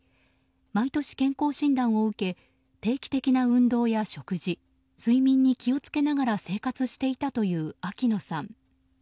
毎年、健康診断を受け定期的な運動や食事睡眠に気をつけながら生活していたという秋野さん。